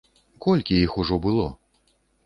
Колькі іх ужо было?